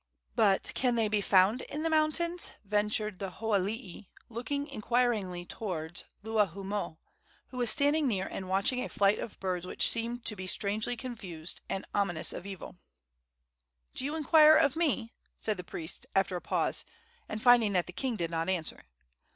"But can they be found in the mountains?" ventured the hoalii, looking inquiringly toward Luahoomoe, who was standing near and watching a flight of birds which seemed to be strangely confused and ominous of evil. "Do you inquire of me?" said the priest, after a pause, and finding that the king did not answer.